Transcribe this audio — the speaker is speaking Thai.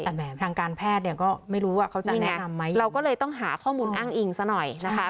แต่แหมทางการแพทย์เนี่ยก็ไม่รู้ว่าเขาจะแนะนำไหมเราก็เลยต้องหาข้อมูลอ้างอิงซะหน่อยนะคะ